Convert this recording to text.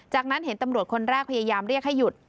จากนั้นเห็นตำรวจคนแรกพยายามเรียกให้หยุด